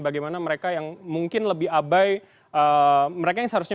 bagaimana mereka yang mungkin lebih abai mereka yang seharusnya